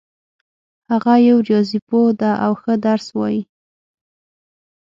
هغه یو ریاضي پوه ده او ښه درس وایي